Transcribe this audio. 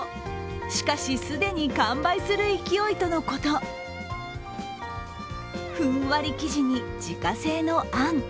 しかし、既に完売する勢いとのことふんわり生地に自家製のあん。